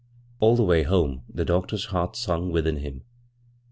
All the way home the doctor's heart sung within him.